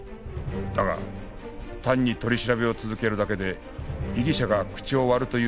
だが単に取り調べを続けるだけで被疑者が口を割るというものではない